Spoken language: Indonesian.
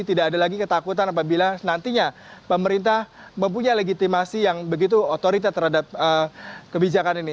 tidak ada lagi ketakutan apabila nantinya pemerintah mempunyai legitimasi yang begitu otorita terhadap kebijakan ini